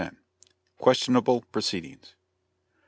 QUESTIONABLE PROCEEDINGS.